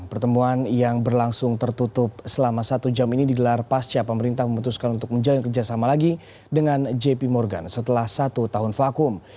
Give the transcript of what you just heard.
pertemuan yang berlangsung tertutup selama satu jam ini digelar pasca pemerintah memutuskan untuk menjalin kerjasama lagi dengan jp morgan setelah satu tahun vakum